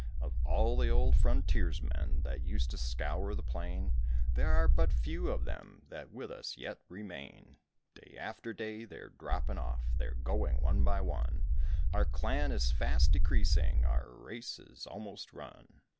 Of all the old frontiersmen That used to scour the plain, There are but very few of them That with us yet remain. Day after day they're dropping off, They're going one by one; Our clan is fast decreasing, Our race is almost run.